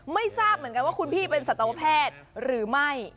ไม่ทราบเหมือนกันว่าคุณพี่เป็นสัตวแพทย์หรือไม่